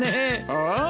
ああ。